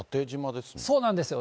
そうなんですよ。